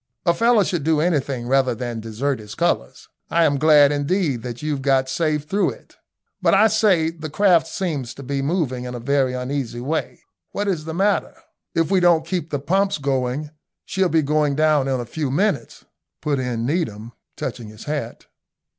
A fellow should do anything rather than desert his colours. I am glad, indeed, that you've got safe through it. But, I say, the craft seems to be moving in a very uneasy way. What is the matter?" "If we don't keep the pumps going, she'll be going down in a few minutes," put in Needham, touching his hat.